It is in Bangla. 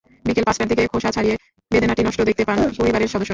বিকেল পাঁচটার দিকে খোসা ছাড়িয়ে বেদানাটি নষ্ট দেখতে পান পরিবারের সদস্যরা।